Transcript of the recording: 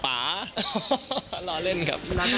ป๋าร้อนเล่นครับ